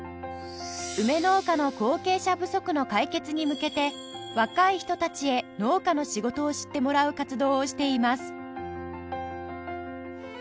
梅農家の後継者不足の解決に向けて若い人たちへ農家の仕事を知ってもらう活動をしています